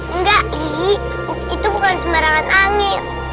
enggak jadi itu bukan sembarangan angin